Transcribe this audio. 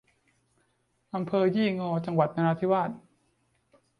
อำเภอยี่งอ จังหวัดนราธิวาส